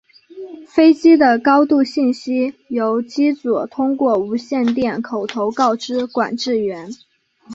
飞机的高度信息由机组通过无线电口头告知管制员。